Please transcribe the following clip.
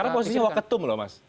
karena posisinya waketum loh mas